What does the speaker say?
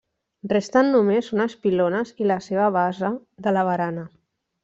Resten només unes pilones i la seva basa de la barana.